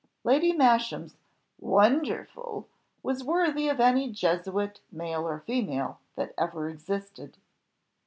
Lady Masham's "Wonderful!" was worthy of any Jesuit male or female, that ever existed.